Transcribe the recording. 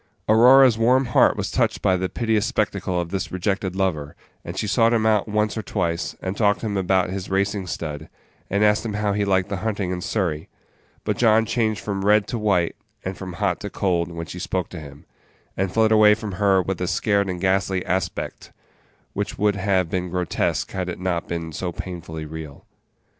Aurora's warm heart was touched by the piteous spectacle of this rejected lover, and she sought him out once or twice, and talked to him about his racing stud, and asked him how he liked the hunting in Surrey; but John changed from red to white, and from hot to cold, when she spoke to him, and fled away from her with a scared and ghastly aspect, which would have been grotesque had it not been so painfully real.